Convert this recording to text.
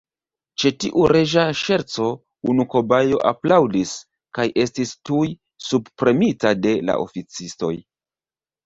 Ĉe tiu reĝa ŝerco, unu kobajo aplaŭdis, kaj estis tuj subpremita de la oficistoj.